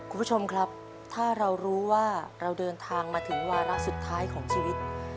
คุณผู้ชมครับถ้าเรารู้ว่าเราเดินทางมาถึงวาระสุดท้ายของชีวิต